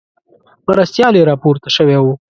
مرستیال یې راپورته شوی وو.